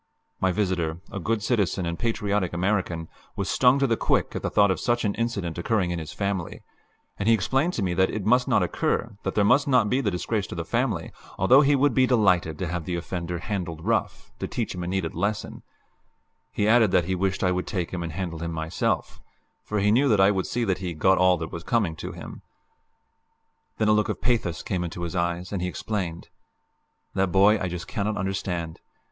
My visitor, a good citizen and a patriotic American, was stung to the quick at the thought of such an incident occurring in his family, and he explained to me that it must not occur, that there must not be the disgrace to the family, although he would be delighted to have the offender "handled rough" to teach him a needed lesson; he added that he wished I would take him and handle him myself, for he knew that I would see that he "got all that was coming to him." Then a look of pathos came into his eyes, and he explained: "That boy I just cannot understand.